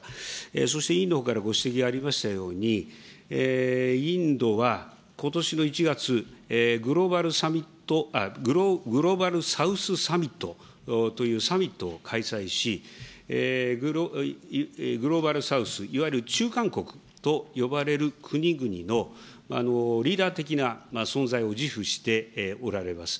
そして委員からご指摘ありましたように、インドはことしの１月、グローバルサウスサミットというサミットを開催し、グローバル・サウス、いわゆる中間国と呼ばれる国々の、リーダー的な存在を自負しておられます。